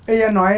ý cháu nói